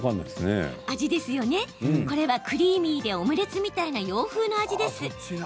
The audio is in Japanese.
これは、クリーミーでオムレツみたいな洋風の味です。